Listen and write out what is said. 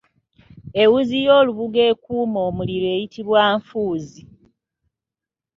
Ewuzi y’olubugo ekuuma omuliro eyitibwa Nfuuzi.